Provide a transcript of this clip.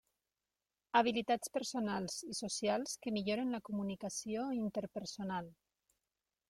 Habilitats personals i socials que milloren la comunicació interpersonal.